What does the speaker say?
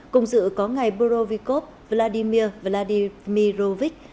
cùng dự có ngày burovikov vladimir vladimirovich